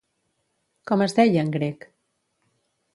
Com es deia en grec?